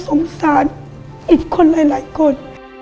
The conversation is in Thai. สงสารอีกคนหลายคน